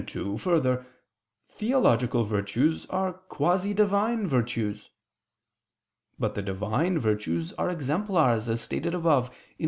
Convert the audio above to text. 2: Further, theological virtues are quasi Divine virtues. But the Divine virtues are exemplars, as stated above (Q.